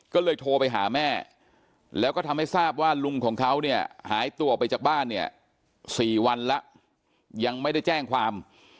ก็เลยโทรไปหาแม่แล้วก็ทำให้ทราบว่าลุงของเขาเนี่ยหายตัวไปจากบ้านเนี่ย๔วันแล้วยังไม่ได้แจ้งความ